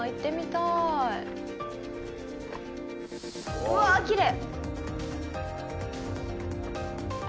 うわっきれい！